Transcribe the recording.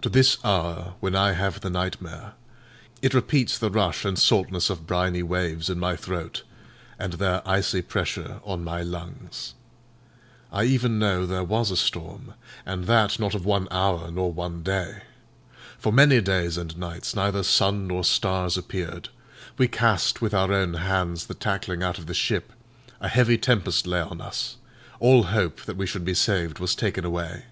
To this hour, when I have the nightmare, it repeats the rush and saltness of briny waves in my throat, and their icy pressure on my lungs. I even know there was a storm, and that not of one hour nor one day. For many days and nights neither sun nor stars appeared; we cast with our own hands the tackling out of the ship; a heavy tempest lay on us; all hope that we should be saved was taken away.